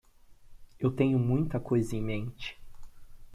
Eu tenho muita coisa em mente.